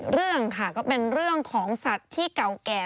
เรื่องค่ะก็เป็นเรื่องของสัตว์ที่เก่าแก่